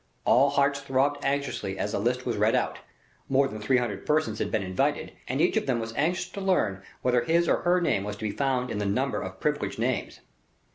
All hearts throbbed anxiously as the list was read out; more than three hundred persons had been invited, and each of them was anxious to learn whether his or her name was to be found in the number of privileged names.